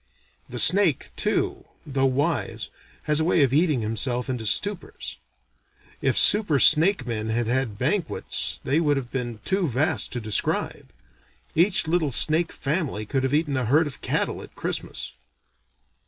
The snake too, though wise, has a way of eating himself into stupors. If super snake men had had banquets they would have been too vast to describe. Each little snake family could have eaten a herd of cattle at Christmas.